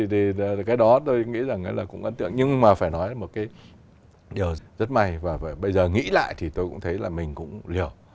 thì cái đó tôi nghĩ rằng là cũng ấn tượng nhưng mà phải nói một cái điều rất may và bây giờ nghĩ lại thì tôi cũng thấy là mình cũng liều